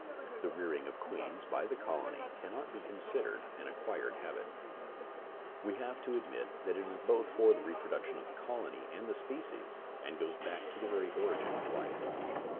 The rearing of queens by the colony cannot be considered an acquired habit. We have to admit that it is both for the reproduction of the colony and the species, and goes back to the very origin of life.